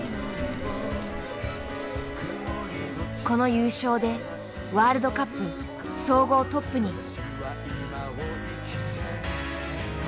この優勝でワールドカップ総合トップに。